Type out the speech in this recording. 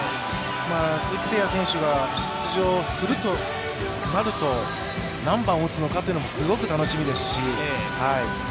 鈴木誠也選手が出場するとなると、何番を打つのかというのもすごく楽しみですし。